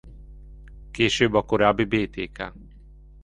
Később a korábbi Btk.